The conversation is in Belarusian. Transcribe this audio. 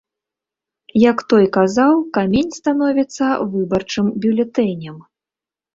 Як той казаў, камень становіцца выбарчым бюлетэнем.